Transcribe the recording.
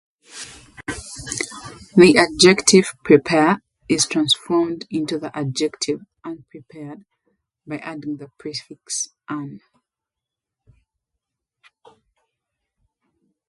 The adjective "prepare" is transformed into the adjective "unprepared" by adding the prefix "un-."